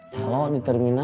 salok di terminal